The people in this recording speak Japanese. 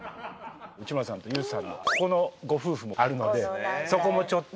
内村さんとＹＯＵさんのここのご夫婦もあるのでそこもちょっと。